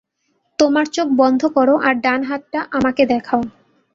তোমার চোখ বন্ধ করো আর ডান হাতটা আমাকে দেখাও।